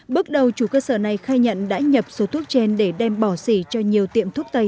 bước đầu chủ cơ sở này khai nhận đã nhập số thuốc trên để đem bỏ xỉ cho nhiều tiệm thuốc tây